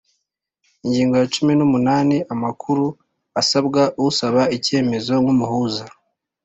ingingo ya cumi n’umunani: Amakuru asabwa usaba icyemezo nk’umuhuza